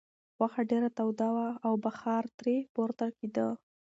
غوښه ډېره توده وه او بخار ترې پورته کېده.